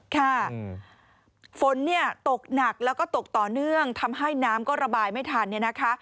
ค่ะฝนเนี่ยตกหนักแล้วก็ตกต่อเนื่องทำให้น้ำก็ระบายไม่ทันเนี่ยนะคะ